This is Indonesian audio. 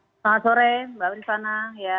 selamat sore mbak prisana